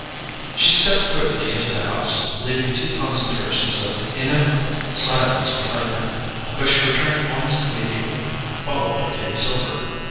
She stepped quickly into the house, leaving two concentrations of inimical silence behind her, but she returned almost immediately, followed by Kitty Silver.